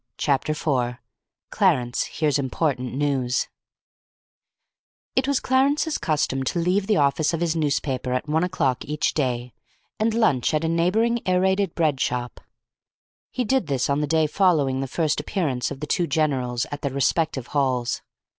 Chapter 4 CLARENCE HEARS IMPORTANT NEWS It was Clarence's custom to leave the office of his newspaper at one o'clock each day, and lunch at a neighbouring Aerated Bread shop. He did this on the day following the first appearance of the two generals at their respective halls.